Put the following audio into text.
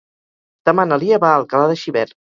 Demà na Lia va a Alcalà de Xivert.